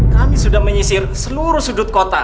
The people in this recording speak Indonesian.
kami sudah menyisir seluruh sudut kota